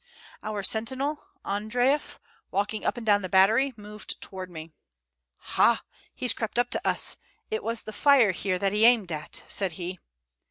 Our sentinel, Andreief, walking up and down on the battery, moved toward me. "Ha! he's crept up to us. It was the fire here that he aimed at," said he.